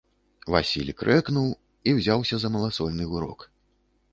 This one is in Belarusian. Васіль крэкнуў і ўзяўся за маласольны гурок.